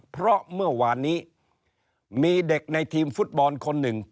เพราะเมื่อวานนี้มีเด็กในทีมฟุตบอลคนหนึ่ง